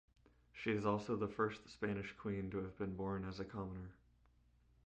She is also the first Spanish queen to have been born as a commoner.